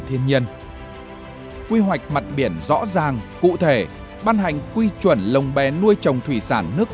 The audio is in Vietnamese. thiên nhiên quy hoạch mặt biển rõ ràng cụ thể ban hành quy chuẩn lồng bé nuôi trồng thủy sản nước